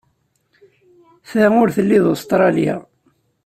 Ta ur telli d Ustṛalya.